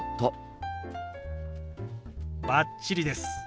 バッチリです。